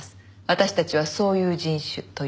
私たちはそういう人種という事です。